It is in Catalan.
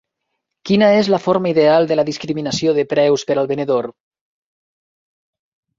Quina és la forma ideal de la discriminació de preus per al venedor?